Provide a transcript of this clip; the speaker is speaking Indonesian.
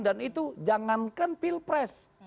dan itu jangankan pilpres